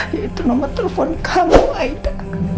yaitu nomor telepon kamu aida